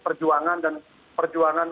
perjuangan dan perjuangan